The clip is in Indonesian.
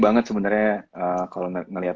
banget sebenernya kalau ngeliat